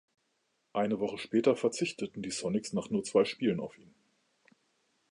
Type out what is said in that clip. Eine Woche später verzichteten die Sonics nach nur zwei Spielen auf ihn.